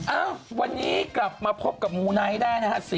เอ้าวันนี้กลับมาพบกับมูไนท์ได้นะฮะ